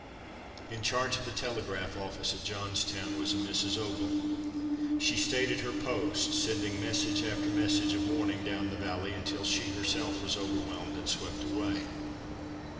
In charge of the telegraph office at Johnstown was a Mrs. Ogle. She stayed at her post, sending message after message of warning down the valley until she herself was overwhelmed and swept away.